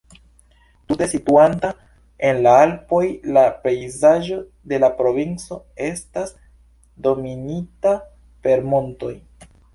Tute situanta en la Alpoj, la pejzaĝo de la provinco estas dominita per montoj.